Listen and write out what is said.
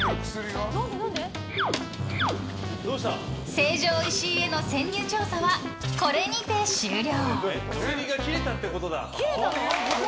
成城石井への潜入調査はこれにて終了。